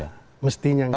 ya mestinya enggak